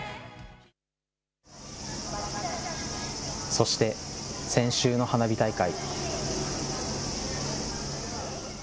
そして、先週の花火大会。